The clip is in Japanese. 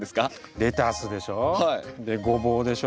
レタスでしょ。